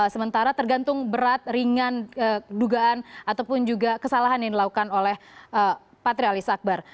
sementara tergantung berat ringan dugaan ataupun juga kesalahan yang dilakukan oleh patrialis akbar